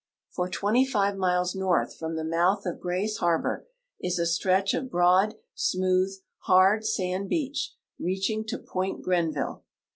For 25 miles north from the mouth of Cray's harbor is a stretch of broad, smooth, hard, sand beach reaching to [joint Crenville.